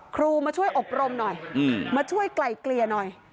ครูมาช่วยอบรมหน่อยมาช่วยไกลเกลี่ยหน่อย